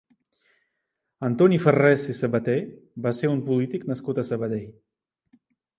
Antoni Farrés i Sabater va ser un polític nascut a Sabadell.